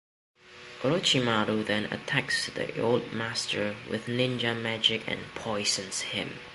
Orochimaru then attacks the old master with ninja magic and poisons him.